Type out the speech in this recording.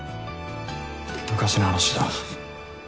昔の話だ。